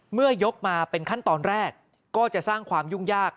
เมื่อยกมาเป็นขั้นตอนแรกก็จะสร้างความยุ่งยาก